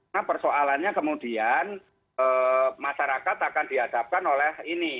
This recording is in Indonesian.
nah persoalannya kemudian masyarakat akan dihadapkan oleh ini